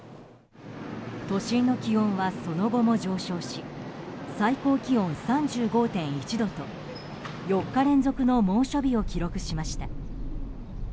都心の気温は、その後も上昇し最高気温３５．１度と４日連続の猛暑日を記録しました。